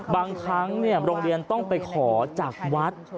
บางครั้งโรงเรียนต้องไปขอจากวัด